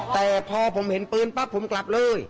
แต่พอผมเห็นปืนปั๊บผมกลับเลย